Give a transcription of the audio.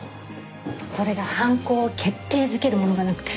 それが犯行を決定づけるものがなくて。